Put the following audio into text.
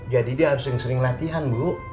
jadi dia harus sering sering latihan bu